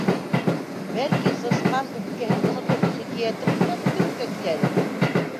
Бәлки, Сысҡан, үпкәһен онотоп, хикәйәтен һөйләп бөтөрөргә киләлер?